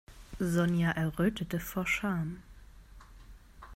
Sonja errötete vor Scham.